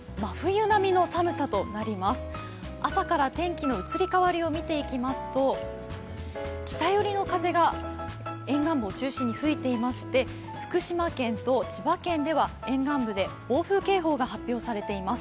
朝から天気の移り変わりを見ていきますと北よりの風が沿岸部を中心に吹いていまして福島県と千葉県では沿岸部で暴風警報が発表されています。